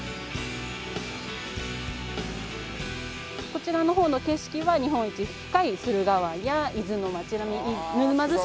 こちらの方の景色は日本一深い駿河湾や伊豆の街並み沼津市なども一望できます。